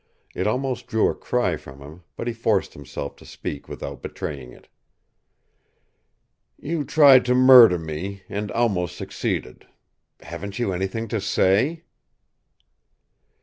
It almost drew a cry from him, but he forced himself to speak without betraying it. "You tried to murder me and almost succeeded. Haven't you anything to say?"